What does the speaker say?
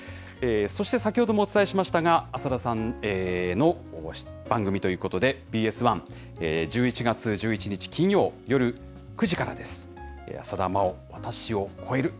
そして先ほどもお伝えしましたが、浅田さんの番組ということで、ＢＳ１、１１月１１日金曜夜９時からです。